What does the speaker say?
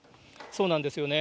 そうなんですよね。